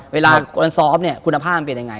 เวลากรณสอบคุณภาพมันเป็นยังไง